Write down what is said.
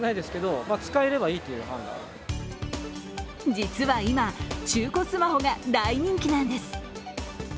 実は今、中古スマホが大人気なんです。